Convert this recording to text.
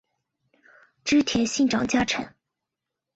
织田信长家臣。